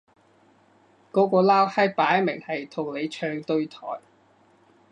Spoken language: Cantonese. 嗰個撈閪擺明係同你唱對台